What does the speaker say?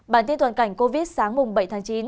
bản tin toàn cảnh covid sáng mùng bảy tháng chín